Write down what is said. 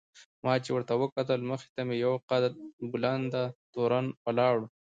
ما چې ورته وکتل مخې ته مې یو قد بلنده تورن ولاړ و.